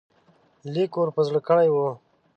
لیک ور په زړه کړی وو.